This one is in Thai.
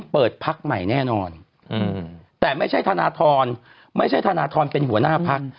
เปิดพักใหม่แน่นอนแต่ไม่ใช่ธนทรไม่ใช่ธนทรเป็นหัวหน้าพัก